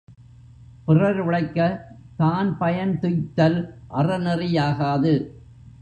பிறர் உழைக்கத் தான் பயன் துய்த்தல் அறநெறி யாகாது.